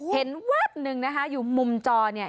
เห็นแว๊บหนึ่งนะคะอยู่มุมจอเนี่ย